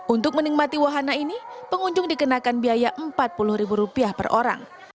untuk menikmati wahana ini pengunjung dikenakan biaya empat puluh ribu rupiah per orang